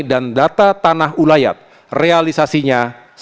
dan data tanah ulayat realisasinya seratus